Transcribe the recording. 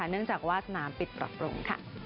เนื่องจากว่าสนามปิดปรับปรุง